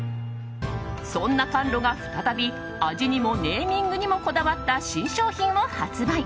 そんなカンロが再び味にもネーミングにもこだわった新商品を発売。